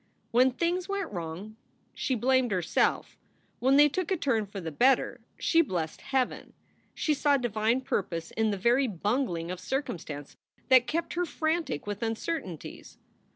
When things went wrong she blamed herself; when they took a turn for the better she blessed Heaven. She saw divine purpose in the very bun gling of circumstance that kept her frantic with uncertainties.